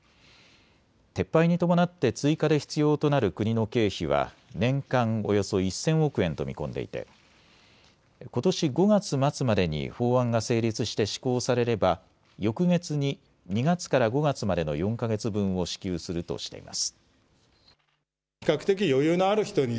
撤廃に伴って追加で必要となる国の経費は年間およそ１０００億円と見込んでいてことし５月末までに法案が成立して施行されれば翌月に２月から５月までの４か月分を支給するとしています。